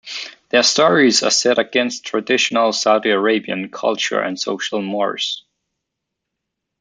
Their stories are set against traditional Saudi Arabian culture and social mores.